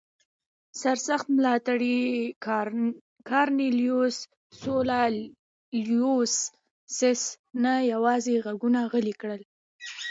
سرسخت ملاتړي کارنلیوس سولا لوسیوس نه یوازې غږونه غلي کړل